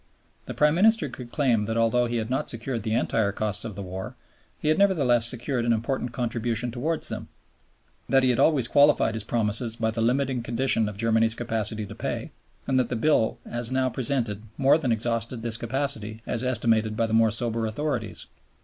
The Prime Minister could claim that although he had not secured the entire costs of the war, he had nevertheless secured an important contribution towards them, that he had always qualified his promises by the limiting condition of Germany's capacity to pay, and that the bill as now presented more than exhausted this capacity as estimated by the more sober authorities.